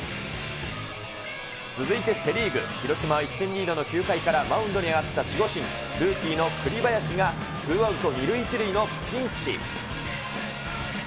続いてセ・リーグ、広島は１点リードの９回からマウンドに上がった守護神、ルーキーの栗林がツーアウト２塁１塁のピンチ。